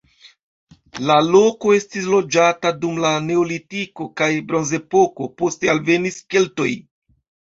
La loko estis loĝata dum la neolitiko kaj bronzepoko, poste alvenis keltoj.